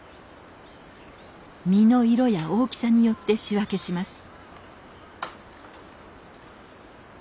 身の色や大きさによって仕分けします。